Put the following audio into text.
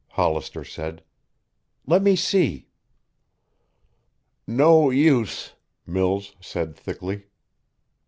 Hollister said. "Let me see." "No use," Mills said thickly.